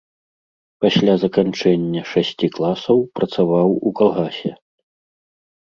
Пасля заканчэння шасці класаў працаваў у калгасе.